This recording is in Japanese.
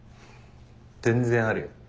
全然あるよ。